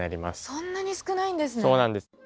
そんなに少ないんですね。